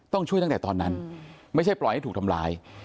ต้องช่วยตั้งแต่ตอนนั้นไม่ใช่ปล่อยให้ถูกทำร้าย